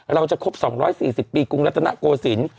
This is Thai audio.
เราจะครบ๒๔๐ปีกรุงรัฐนโกศิลป์